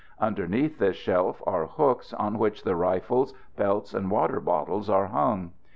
Underneath this shelf are hooks on which the rifles, belts and water bottles are hung.